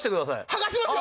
剥がしますよ！